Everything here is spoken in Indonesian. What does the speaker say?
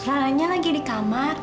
laranya lagi di kamar